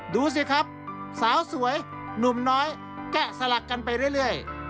ดูสิครับสาวสวยหนุ่มน้อยแกะสลักกันไปเรื่อย